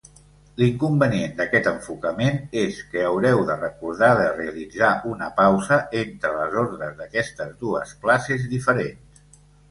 L'inconvenient d'aquest enfocament és que haureu de recordar de realitzar una pausa entre les ordres d'aquestes dues classes diferents.